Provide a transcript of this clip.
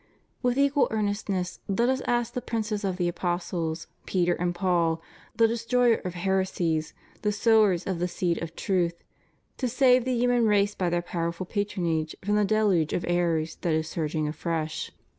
With equal earnestness let us ask the princes ©1^ the apostles, Peter and Paul, the destroyers of heresies, the sowers of the seed of truth, to save the human race by their powerful patronage from the deluge of errors that is surging afresh.